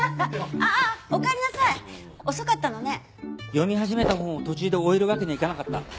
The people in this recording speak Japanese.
読み始めた本を途中で終えるわけにはいかなかった。